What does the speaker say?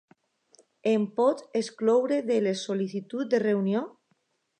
Em pots excloure de les sol·licituds de reunió?